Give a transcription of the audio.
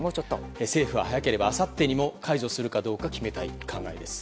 政府は早ければあさってにも解除するかどうか決めたい考えです。